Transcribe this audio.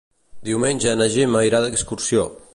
Diumenge na Gemma irà d'excursió.